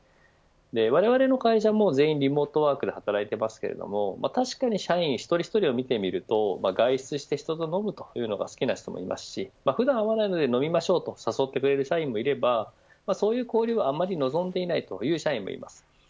われわれの会社も全員リモートワークで働いていますけれど確かに社員１人１人を見てみると外出して人と飲むというのが好きな人もいますし普段会わないので飲みましょうと誘ってくれる社員もいればそういう交流を望んでいないという社員もいます。